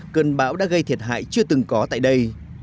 cơn bão đã gây thiệt hại chưa từng có tại đây